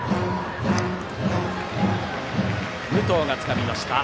武藤がつかみました。